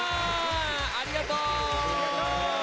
ありがとう！